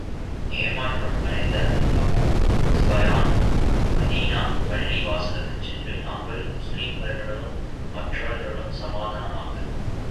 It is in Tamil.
ஏமாற்றம் அடைந்த அபூ ஸுப்யான் மதீனா பள்ளி வாசலுக்குச் சென்று, நாங்கள் முஸ்லிம்களுடனும் மற்றவர்களுடனும் சமாதானமாக வாழ விரும்புகிறோம்.